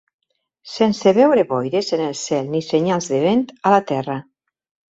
Sense veure boires en el cel ni senyals de vent a la terra.